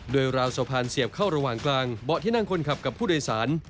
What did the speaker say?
โดยราวสะพานเสียบเข้าระหว่างกลางเบาะที่นั่งคนขับกับผู้โดยสาร